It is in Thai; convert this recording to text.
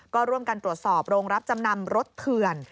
ก็ร่วมกันตรวจสอบโรงรับจำนำรถเถื่อน